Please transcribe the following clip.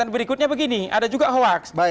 berikutnya begini ada juga hoax